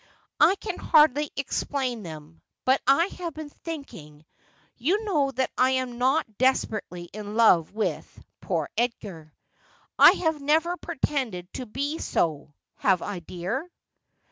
' I can hardly explain them ; but I have been thinking — you know that I am not desperately in love with — poor Edgar. I have never pretended to be so ; have I, dear?'